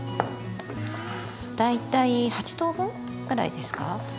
大体８等分ぐらいですか？